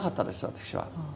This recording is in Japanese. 私は。